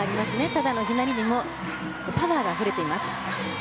ただのひねりにもパワーがあふれています。